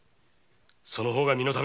その方が身のためだ！